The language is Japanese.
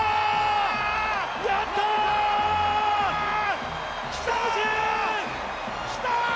やったー！